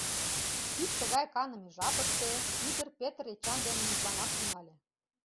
Ик тыгай каныме жапыште Сидыр Петр Эчан дене мутланаш тӱҥале.